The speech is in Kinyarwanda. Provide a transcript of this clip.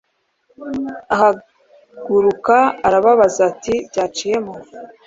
ahaguruka arababaza ati byaciyemo!